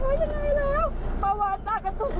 พ่อแม่รีบขับรถติดหัวใจหยุดเต้น